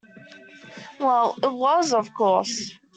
Well, it was, of course.